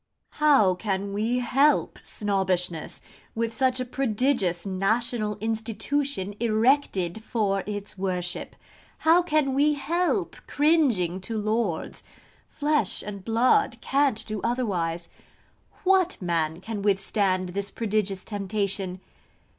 How can we help Snobbishness, with such a prodigious national institution erected for its worship? How can we help cringing to Lords? Flesh and blood can't do otherwise. What man can withstand this prodigious temptation?